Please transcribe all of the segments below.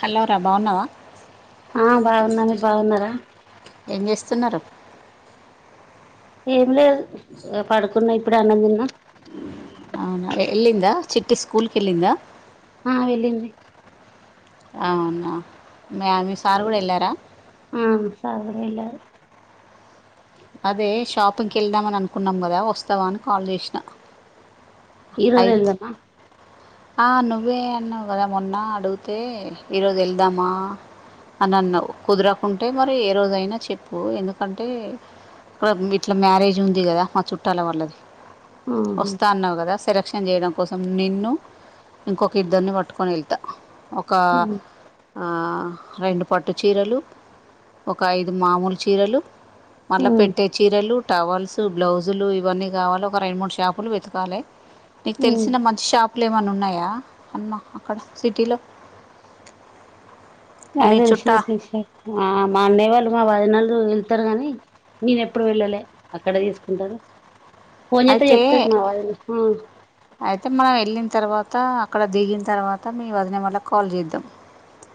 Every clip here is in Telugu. హలో రా బాన్నావా ఆ బాగున్నా మీరు బాగున్నారా ఏం చేస్తున్నారు ఏమి లేదు పడుకున్నా ఇప్పుడే అన్నం తిన్న అవునా ఎల్లిందా చిట్టి స్కూల్కిళ్లిందా ఆ వెళ్ళింది అవునా మీయ మీ సార్ కూడా వెళ్ళారా హ్మ్ సరేలే అదే షాపింగ్కి వెళ్దామ అని అనుకున్నాం కదా వస్తావా అని కాల్ చేసినా ఈరోజు వెళ్దామా ఆ నువ్వే అన్నావు కదా మొన్న అడుగితే ఈరోజు వెళ్దామా అని అన్నావ్ కుదరకుంటే మరి ఏ రోజైనా చెప్పు ఎందుకంటే ఇక్కడ ఇట్లా మ్యారేజ్ ఉంది కదా మా చుట్టాల వాళ్ళది ఆహా వస్తా అన్నావ్ కదా సెలక్షన్ చేయడం కోసం నిన్ను ఇంకొక ఇద్దరిని పట్టుకొని వెళ్తా ఒక ఉమ్ ఆ రెండు పట్టు చీరలు ఒక ఐదు మామూలు చీరలు మళ్ళీ పెట్టే ఉమ్ చీరలు టవల్స్ బ్లౌజులు ఇవన్నీ కావాలా ఒక రెండు మూడు షాపులు వెతకాలే నీకు తెలిసిన మంచి షాప్ అట్లు ఏమన్నా ఉన్నాయా అన్న అక్కడ సిటీలో నా మీ తెలిసిన చుట్టా [unintelligible] ఆ మా అన్నయ్య వాళ్ళు మా వదినలు వెళ్తారు గాని నేన ఎప్పుడు వెళ్ళలే అక్కడ తీసుకుంటారు పోన్ చేత్తే అయితే చెప్తాది మా వదినా అయితే మనం వెళ్ళిన తర్వాత అక్కడ దిగిన తర్వాత మీ వదిన వాళ్ళకి కాల్ చేద్దాం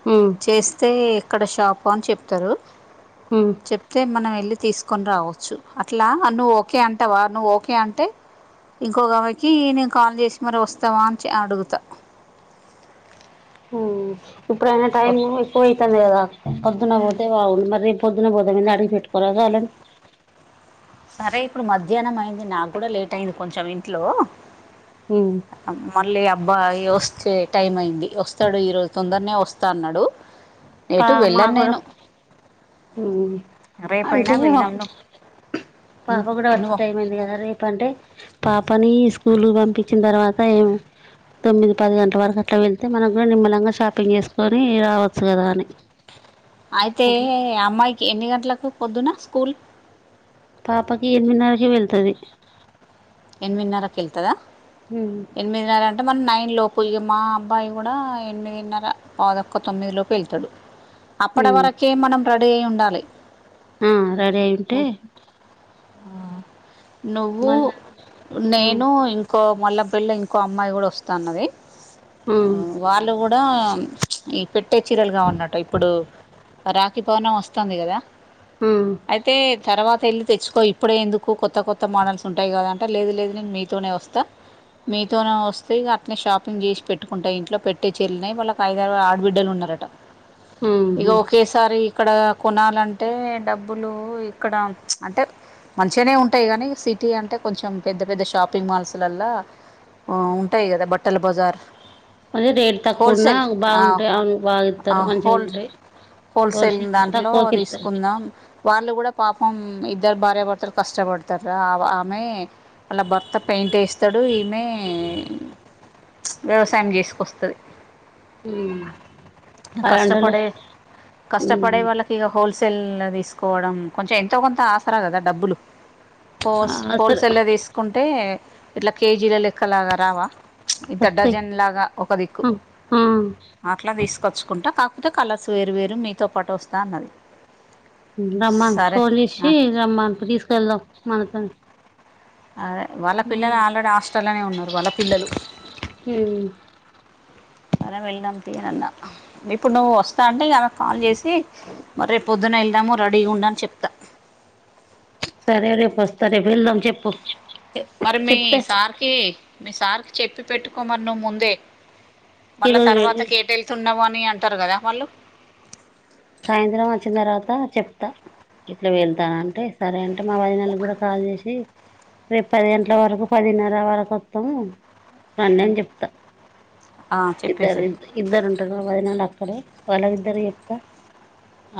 హ్మ్ చేస్తే ఎక్కడ షాపు అని చెప్తారు హ్మ్ చెప్తే మనం వెళ్ళి తీసుకొని రావచ్చు అట్లా నువ్వు ఓకే అంటావా నువ్వు ఓకే అంటే ఇంకొక ఆమె కి నేను కాల్ చేసి మరి వస్తావా అని అడుగుతా హ్మ్ ఇప్పుడైనా టైము ఎ పోతంది కదా పొద్దున్న పోతే బాగుండు మరి రేపు పొద్దున పోదాం ఏందో అడిగి పెట్టుకోరాదు వాళ్ళను సరే ఇప్పుడు మధ్యాహ్నం అయింది నాకు కూడా లేట్ అయింది కొంచం ఇంట్లో హ్మ్ మళ్ళీ అబ్బాయి వస్తే టైం అయింది వస్తాడు ఈరోజు తొందరనే వస్తా అన్నాడు పా ఏటు మా వెళ్ళాను కూడా నేను రేపు అయినా అంటే వెళ్దాం ను పాప కూడా వచ్చే టైం అయింది కదా రేపంటే పాపని స్కూల్ పంపించిన తర్వాత ఏమో తొమ్మిది పది గంటల వరకు అట్లా వెళ్తే మనం కూడా నిమ్మలంగా షాపింగ్ చేసుకొని రావచ్చు కదా అని అయితే అట్లా అమ్మాయికి ఎన్ని గంటలకు పొద్దున స్కూల్ పాపకి ఎనిమిదిన్నరకి వెళ్తది ఎనిమిదిన్నరకీ వెళ్తాదా ఉమ్ ఎనిమిదిన్నర అంటే మన నైన్ లోపు ఇక మా అబ్బాయి కూడా ఎనిమిదిన్నర పావు తక్కువ తొమ్మిది లోపు వెళ్తాడు ఉమ్ అప్పడవరకే మనం రెడీ అయ్యి ఉండాలి ఆ రెడీ అయ్యి ఉంటే ఆ నువ్వు మళ్ళా ఆ నేను ఇ ఇంకో మళ్ళాపిల్ల ఇంకో అమ్మాయి కూడా వస్తాన్నది ఆ వాళ్ళు కూడా ఈ పెట్టే చీరలుగా ఉన్నటు ఇప్పుడు రాఖీ పూర్ణిమ వస్తుంది కదా ఆ అయితే తర్వాత వెళ్ళి తెచ్చుకో ఇప్పుడే ఎందుకు కొత్త కొత్త మోడల్స్ ఉంటాయి కదా అంటే లేదు లేదు నేను మీతోనే వస్తా మీతోనే వస్తే అట్నే షాపింగ్ చేసి పెట్టుకుంటా ఇంట్లో పెట్టే చీరలనీ వాళ్ళకి ఐదారు ఆడబిడ్డలు ఉన్నారట ఇక ఆహా ఓకే సరీ ఇక్కడ కొనాలంటే డబ్బులు ఇక్కడ అంటే మంచిగానే ఉంటాయి గానీ సిటీ అంటే కొంచెం పెద్ద పెద్ద షాపింగ్ మాల్స్ లల్లో ఆ ఉంటాయి కదా బట్టల బజార్ అదే రేట్ తక్కువ ఉన్నా హోల్సేల్ బాగుంటాయి అవును బాగా ఆ ఇత్తారు మంచిగా ఉంటాయి హోల్ సేల్ హోల్సేల్ దాంట్లో తక్కువకి ఇస్తారు తీసుకుందాం వాళ్ళు కూడా పాపం ఇద్దరు భార్య భర్తలు కష్టపడతార రా అవ్ ఆ ఆమె వాళ్ళ భర్త పెయింట్ యేస్తాడు ఈమె వ్యవసాయం చేసుకొస్తాది అలాంటోళ్ళకు కష్టపడే ఉమ్ కష్టపడే వాళ్ళ ఇగ హోల్ సేల్ తీసుకోవడం కొంచెం ఎంతో కొంత ఆసరా కదా డబ్బులు హోస్ ఆ హోల్ సరే సేల్ లో తీసుకుంటే ఇట్లా కేజీల లెక్కలాగా రావా ఇంత వస్తాయి డజన్ లాగా ఒక దిక్కు ఆ ఆ అట్లా తీసుకొచ్చుకుంటా కాకపోతే కలర్స్ వేరు వేరు మీతో పాటు వస్తా అన్నది రమ్మాను సరే ఫోన్ చేసి ఆ, రమ్మాను తీసుకెళ్దాం మనతోని అదే వాళ్ళ పిల్లలు ఆల్రెడీ హాస్టల్లోనే ఉన్నారు వాళ్ళ పిల్లలు ఉమ్ సరే వెళ్దాం తీ అని అన్న ఇప్పుడు నువ్వు వస్తా అంటే ఆమెకి కాల్ చేసి రేపు పొద్దున వెళ్దాము రెడీగా ఉండు అని చెప్తా సరే రేపు వస్తా రేపు వెళ్దాం చెప్పు మరి మీ చెప్తా సార్ కీ మీ సార్ కీ చెప్పి పెట్టుకోమరి నువ్వు ముందే మళ్ళా ఈరోజు తర్వాత వెళ్ళి కేటెళ్తున్నావు అని అంటారు కదా వాళ్ళు సాయంత్రం వచ్చిన తర్వాత చెప్తా ఇట్లా వెళ్తాను అంటే సరే అంటే మా వదినాలకి కూడా కాల్ చేసి రేపు పది గంటల వరకు పదిన్నర వరకు వాత్తం రండి అని చెప్తా ఆ, ఇద్దరు చెప్పేసి ఇద్దరు ఉంటారు మా వదినలు అక్కలే వాళ్ళ ఇద్దరికీ చెప్తా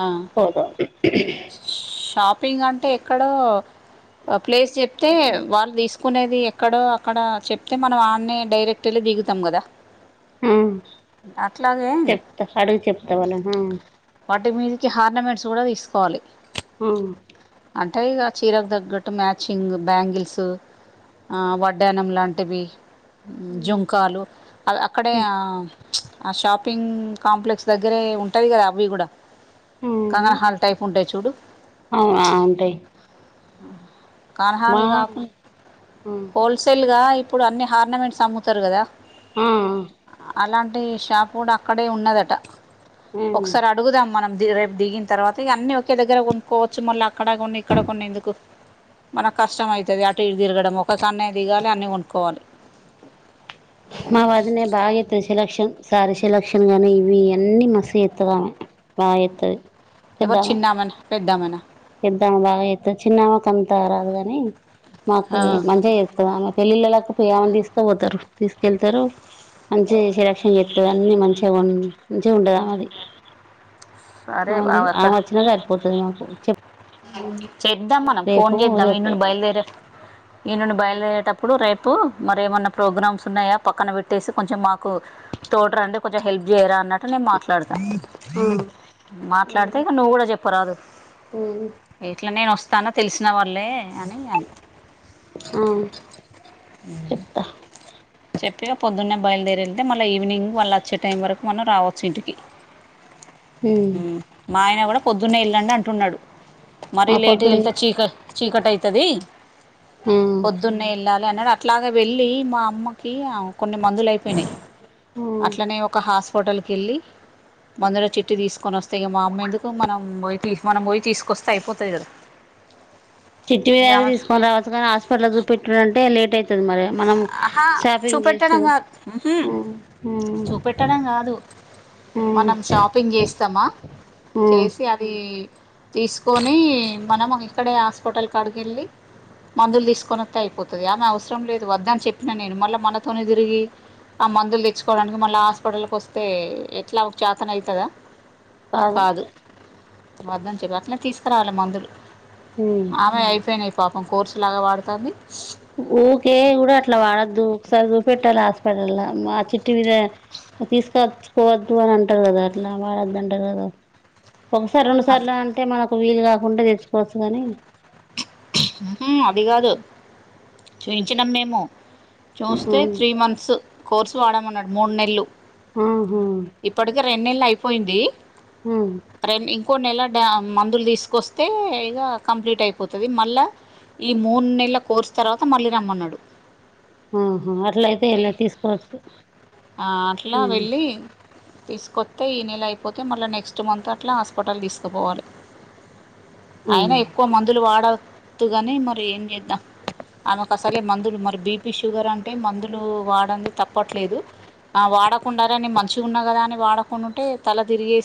ఆ, పోదాం షాపింగ్ అంటే ఎక్కడో ప్లేస్ చెప్తే వాళ్ళు తీసుకునేది ఎక్కడో అక్కడ చెప్తే మనం ఆడనే డైరెక్ట్ వెళ్ళి దిగుతాం కదా అట్లాగే అడుగి చెప్తా వాళ్ళాను వాటి మీదకి హార్నమెంట్స్ కూడా తీసుకోవాలి ఉ అంటే ఇగ చీరకు తగ్గట్టు మ్యాచింగ్ బ్యాంగిల్స్ వడ్డానం లాంటివి జుంకలు అక్కడే ఆ ఆ షాపింగ్ కాంప్లెక్స్ దగ్గరే ఉంటది కదా అవి కూడ ఆ కానహన్ ఆ టైపు ఉంటాయి చూడు అవునా ఉంటాయి మా కణహాలు కాకుం హోల్సేల్గా ఇప్పుడు అన్ని హార్నమెంట్స్ అమ్ముతారు కదా ఆ ఆ అలాంటి షాపు కూడ అక్కడే ఉన్నదట ఒకసారి అడుదాం మనం రేపు దిగిన తర్వాత అన్నీ ఒకే దగ్గర కొనుక్కోవచ్చు మళ్ళ అక్కడ కొన్ని ఇక్కడ కొన్ని ఎందుకు మనకు కష్టం అయితది అటు తిరగడం ఒక కన్నే దిగాలి అన్నీ వంకోవాలి మా వదినేే బాగ [unintelligible] సెలక్షన్ సారీ సెలక్షన్ గానీ ఇవి ఇవన్నీ మస్తు చేస్తది దామే [unintelligible] ఎవరు చిన్నామన పెద్దామన పెద్దామె బగ చేస్తది చిన్నమకు అంత రాదు కాని మాకు ఆ, మంచిగా చేస్తుంది ఆమె పెళ్ళిళ్ళ లకు పోయి ఏమని తీసుక పోతారు తీసుకెళ్తారు మంచిగ సెలక్షన్ [unintelligible] అన్ని మంచిగా ఉ మంచిగా [unintelligible] ఆమది సరే బావ అమ అక్కడ వచ్చిన సరిపోతుది మాకు చేద్దాం మనం ఫోన్ రేపు చేద్దాం రేపు [unintelligible] బయలుదేరే ఈ నుండి బయలుదేరేటప్పుడు రే [unintelligible] మరి ఏమన్నా ప్రోగ్రామ్స్ ఉన్నాయా పక్కన పెట్టేసి కొంచెం మాకు తోట రండి కొంచెం హెల్ప్ చేయర అన్న అట్టనేే మాట్లాడతా మాట్లాడితే ఇక నువ్వు కూడ చెప్పరాదు హు ఎట్ల నేను వస్తా తెలిసిన వాళ్ళే అని అ ఆ హు చెప్తా చెప్పగ పొద్దున్నే బయలుదేరి వెళ్తే మళ్ళీ ఈవినింగ్ వాళ్ళు వచ్చే టైం వరకు మనం రావచ్చు ఇంటికి మా ఆయన కూడ పొద్దున్నే ఎళ్ళండి అంటున్నాడు మరీ ఆ లేటు పొద్దున్న వెళ్తే చీక చీకటి అయితది ఆ పొద్దున్నే వెళ్ళాలి అనే అట్లాగ వెళ్ళి మా అమ్మకి కొన్ని మందులు అయిపోయినాయ్ అట్లనే ఒక హాస్ హోటల్కి వెళ్ళి మందులో చెట్టు తీసుకొని వస్తే ఇక మా అమ్మ ఎందుకు మనం పో మనం పోయి తీస్ [unintelligible] అయిపోతది కదా చిట్టివి ఇక అది ఆమె తీసుకని రావచ్చు [unintelligible] హాస్పిటల్ లో చూపెట్టాడంటే లేట్ అవుతది మరి మనం ఆహా షాపింగ్ చూపెట్టడం చేసుడు కాదు ఉహు చూపెట్టడం కాదు మనం షాపింగ్ చేస్తామ చేసి అది తీసుకొని మనం ఇక్కడే హాస్పిటల్కి కాడికి ఎల్లి మందులు తీసుకొనోస్తే అయిపోతది ఆమె అవసరం లేదు వద్ద అని చెప్పిన నేను మళ్ళా మనతోనే తిరిగి ఆ మందులు తెచ్చుకోవడానికి మళ్ళా హాస్పిటల్కి వస్తే ఎట్ల ఒక చతన అయితద కాదు వద్దని చెప్పి అట్లే తీసుకురావాలి మందులు హు ఆమె అయిపోయినాయి పాపం కోర్సులాగ వాడుతంది ఊరికే కూడ అట్ల వాడొద్దు ఒకసారి చూపెట్టాలి హాస్పిటల్ మా చిట్టి మీద తీసుకొచ్చుకోవద్దు అని అంటారు కద అట్ల వాడద్దు అంటారు కదా ఒకసారి అది రెండుసార్లు అంటే మనకు వీలు కాకుంటె తెచ్చుకోచ్చు గాని [unintelligible] అది కాదు చూఇంచినం మేము చూస్తే ఉమ్ త్రీ మంత్స్ కోర్సు వాడమన్నాడు మూడు నెలలు ఉహు ఇప్పటికి రెండుళ్లు అయిపోయింది హు ఇంకో నెల మందులు తీసుకొస్తే ఇక కంప్లీట్ అయిపోతుంది మళ్ళా ఈ మూడు నెలల కోర్సు తర్వాత మళ్ళీ రమ్మన్నాడు ఆహా అట్లయితే ఏ ఎలా తీసుకోవచ్చు అట్లా ఉమ్ వెళ్ళి తీసుకొస్తే ఈ నెల అయిపోతే మళ్ళీ నెక్స్ట్ మంత్ అట్లా హాస్పిటల్ తీసుకుపోవాలి ఉమ్ అయినా ఎక్కువ మందులు వాడవద్దుగాని మరి ఏం చేద్దాం ఆమెకు అసలే మందులు మరి బీపీ షుగర్ అంటే మందులు వాడం తప్పట్లేదు వాడకుండరని మంచిగా ఉన్నా కదా అని వాడకుండా ఉంటే తల తిరిగే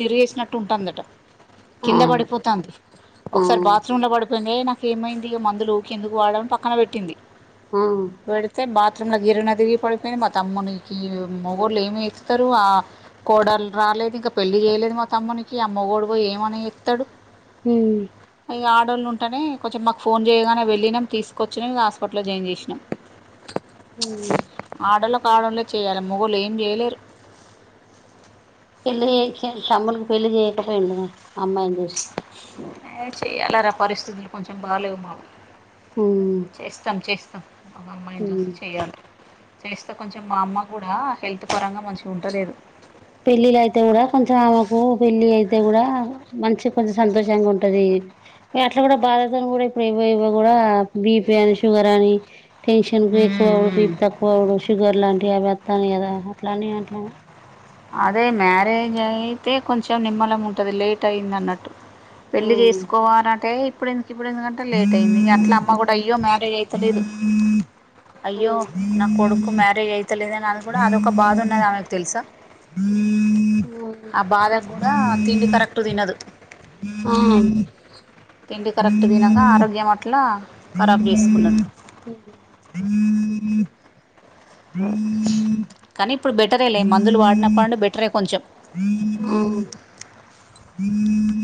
తిరిగేసినట్టు ఉంటుందట ఆ కింద పడిపోతుంది ఆ ఒకసారి బాత్రూమ్ లో పడిపో కొందగా నాక ఏమైంది ఇక మందులోకి ఎందుకు వాడని పక్కన పెట్టింది ఉహ్ పెడితే బాత్రూమ్ గిరన తిరిగి పడిపోయింది మా తమ్మునికి మగగుళ్లు ఏమి ఇస్తతారు ఆ కోడలు రాలేదు ఇంకా పెళ్లిచేయలేదు మా తమ్మనికి అ పూగుడు కూడా పోయి ఏమని ఇస్తాడు హ అవి ఆడళ్లు ఉంట అంటనే కొంచెం మాకు ఫోన్ చేయగానే వెళ్ళినాం తీసుకొచ్చని హాస్పిటల్లో జాయిన్ చేసినాం ఉహ్ ఆడలు కావడలే చేయ్యాలి మొగోళ్ళు ఏం చేయలేరు పెళ్లి చెయ్యొచ్చు తమ్ముకి పెళ్లి చేయకపోయిండడు అమ్మాయిని చూసి ఎ చేయ్యాలరా పరిస్థితులు కొంచెం బాలేవు మాకు ఉ చేస్తాం చేస్తాం మా అమ్మాయిని చూసి చెయాలి చేస్తే కొంచెం మా అమ్మ కూడా హెల్త్ పరంగా మంచిగా ఉండలేదు పెళ్ళిలయితే కూడా కొంచెం ఆమెకు పెళ్ళి అయితే కూడా మంచి కొంచెం సంతోషంగా ఉంటది అట్లా కూడా బాధతని కూడా ఇప్పుడు ఇవో ఇవ కూడా బిపి అని షుగర్ అని టెన్షన్కు ఎక్కువ అవుడు పీపి తక్కువ అవుడు షుగర్ లాంటివి అవి వస్తాను కదా అట్లానేవి అట్ అదే మ్యారేజ్ అయితే కొంచెం నిమ్మలం ఉంటుంది లేట్ అయింది అన్నట్టు ఆ పెళ్లి చేసుకోవాలంటే ఇప్పుడు ఎందుకు ఇప్పుడు ఎందుకంటే లేట్ అయింది అట్లా అమ్మ కూడా అయ్యో మ్యారేజ్ అయి లేదు అయ్యో నా కొడుకు కుయేజ్ అయితేలేద అని అది కూడా అదొక బాధ ఉన్నది ఆమెకు తెలుసా ఆ బాధ కూడా తిండి కరెక్ట్ తినదు ఆ తిండి కరెక్ట్ తినక ఆరోగ్యం అట్లా ఖరాబ్ చేసుకున్నది ఉహ్ ఆ కానీ ఇప్పుడు బెటరే లే మందులు వాడినప్పడుడు బెటరే కొంచెం ఉ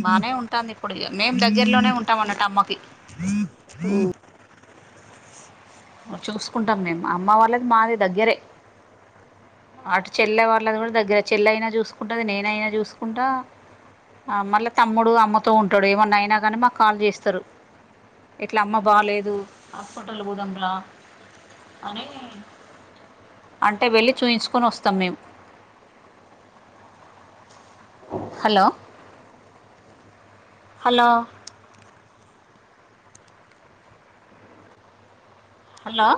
బానే ఉంటుంది ఇప్పుడు మేము దగ్గరలోనే ఉంటాం అన్నట్ట అమ్మకి హ చూసుకుంటాం మేము అమ్మ వాళ్ళది మాది దగ్గరే అటు చెల్లె వాళ్ళది కూడా దగ్గర చెల్ల అయినా చూసుకుంటా అది నేనైనా చూసుకుంటా మళ్ళ తమ్ముడు అమ్మతో ఉంటాడు ఏమన్నా అయినా కానీ మాకు కాల్ చేస్తారు. ఇట్లా అమ్మ బాలేదు హాస్పిటల్ లో కూడా ఉంది అని అంటే వెళ్ళి చూయించుకొని వస్తాం మేము హలో హలో హలో